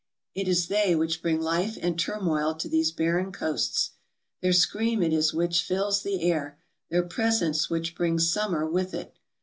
It is they which bring life and turmoil to these barren coasts; their scream it is which fills the air, their presence which brings summer with it.